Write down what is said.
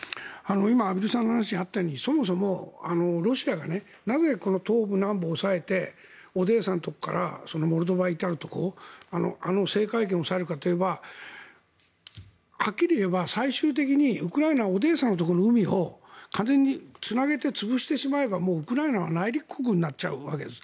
今、畔蒜さんの話にあったように、そもそもロシアがなぜこの東部、南部を押さえてオデーサのところからモルドバに至るところあの制海権を押さえるかといえばはっきり言えば最終的にウクライナをオデーサのところの海を完全につなげて潰してしまえばもうウクライナは内陸国になっちゃうわけです。